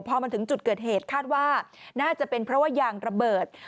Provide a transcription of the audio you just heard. พอมาถึงจุดเกิดเหตุคาดว่าน่าจะเป็นเพราะว่ายางระเบิด